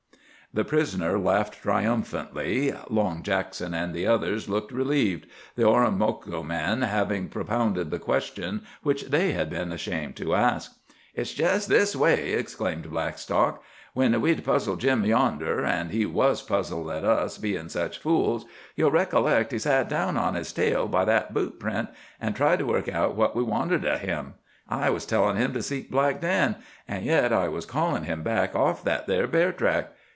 The prisoner laughed triumphantly. Long Jackson and the others looked relieved, the Oromocto man having propounded the question which they had been ashamed to ask. "It's jest this way," explained Blackstock. "When we'd puzzled Jim yonder—an' he was puzzled at us bein' such fools—ye'll recollect he sat down on his tail by that boot print, an' tried to work out what we wanted of him. I was tellin' him to seek Black Dan, an' yet I was callin' him back off that there bear track.